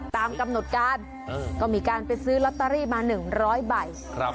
ตามกำหนดการเออก็มีการไปซื้อล็อตเตอรี่มาหนึ่งร้อยใบครับ